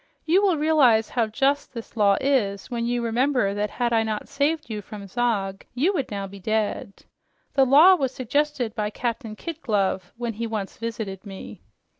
You will realize how just this law is when you remember that had I not saved you from Zog, you would now be dead. The law was suggested by Captain Kid Glove, when he once visited me."